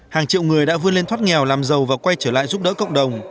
hàng triệu người đã vươn lên thoát nghèo làm giàu và quay trở lại giúp đỡ cộng đồng